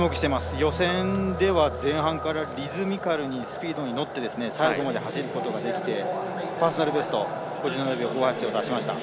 予選では前半からリズミカルにスピードに乗って最後まで走ることができてパーソナルベスト５７秒５８を出しました。